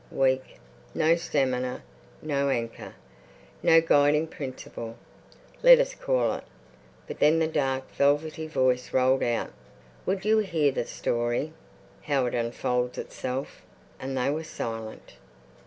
weak. No stamina. No anchor. No guiding principle, let us call it." But then the dark velvety voice rolled out: Would ye hear the story How it unfolds itself. .. and they were silent.